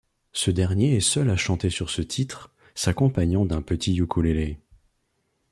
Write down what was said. Ce dernier est seul à chanter sur ce titre, s'accompagnant d'un petit ukulélé.